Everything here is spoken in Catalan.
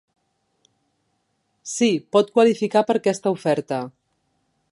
Si, pot qualificar per aquesta oferta.